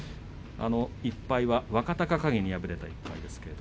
１敗は若隆景に敗れた１敗です。